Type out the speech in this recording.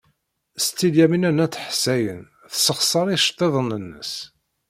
Setti Lyamina n At Ḥsayen tessexṣar iceḍḍiḍen-nnes.